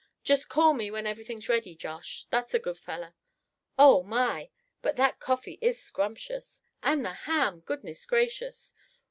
Just call me when everything's ready, Josh, that's a good feller. Oh! my! but that coffee is scrumptious; and the ham, goodness gracious!